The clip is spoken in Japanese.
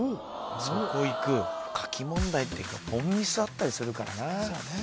そこいく書き問題って凡ミスあったりするからなそうね